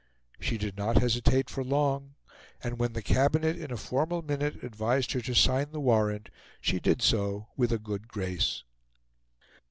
She did not hesitate for long; and when the Cabinet, in a formal minute, advised her to sign the Warrant, she did so with a good grace.